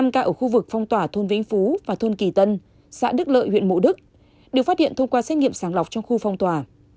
năm ca ở khu vực phong tỏa thôn vĩnh phú và thôn kỳ tân xã đức lợi huyện mộ đức được phát hiện thông qua xét nghiệm sàng lọc trong khu phong tỏa